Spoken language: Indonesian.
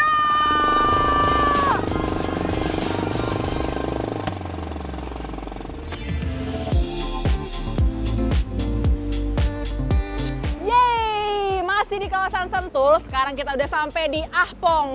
yeay masih di kawasan sentul sekarang kita udah sampai di ahpong